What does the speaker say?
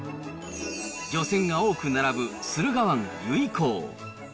漁船が多く並ぶ駿河湾、由比港。